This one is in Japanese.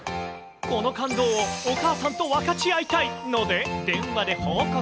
この感動をお母さんと分かち合いたいので、電話で報告。